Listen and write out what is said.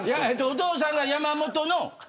お父さんが山本の。